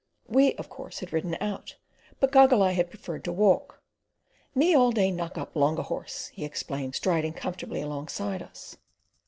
We, of course, had ridden out, but Goggle Eye had preferred to walk. "Me all day knock up longa horse," he explained striding comfortably along beside us.